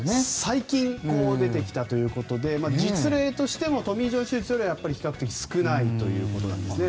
最近出てきたということで実例としてもトミー・ジョン手術よりは比較的少ないということです。